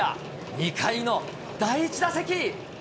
２回の第１打席。